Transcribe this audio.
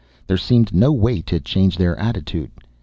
There seemed no way to change their attitude.